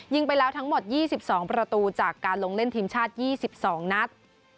ไปแล้วทั้งหมด๒๒ประตูจากการลงเล่นทีมชาติ๒๒นัด